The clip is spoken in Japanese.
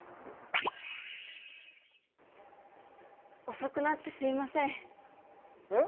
遅くなってすいませんえっ？